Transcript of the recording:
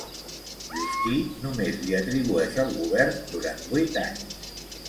Justí només li atribueix el govern durant vuit anys.